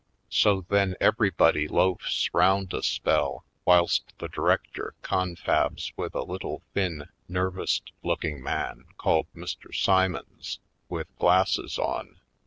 So then everybody loafs round a spell, whilst the director confabs with a little thin nervoused looking man called Mr. Simons, with glasses on.